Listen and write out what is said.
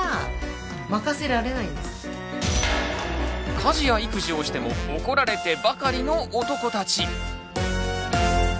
家事や育児をしても怒られてばかりの男たち。